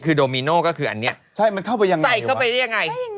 คือโดมิโน่ก็คืออันนี้ใช่มันเข้าไปยังไงใส่เข้าไปได้ยังไง